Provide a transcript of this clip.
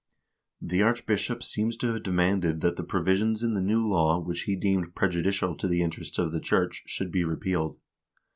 The archbishop seems to have demanded that the provisions in the new law which he deemed prejudicial to the interests of the church should be re pealed.